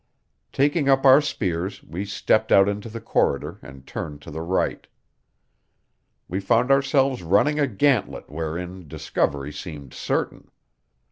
Taking up our spears, we stepped out into the corridor and turned to the right. We found ourselves running a gantlet wherein discovery seemed certain.